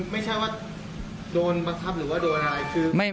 ไม่ใช่ว่าโดนบังคับหรือว่าโดนอะไรคือ